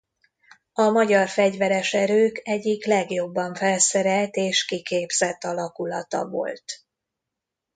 A magyar fegyveres erők egyik legjobban felszerelt és kiképzett alakulata volt.